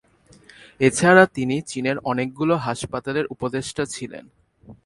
এছাড়া তিনি চীনের অনেকগুলো হাসপাতালের উপদেষ্টা ছিলেন।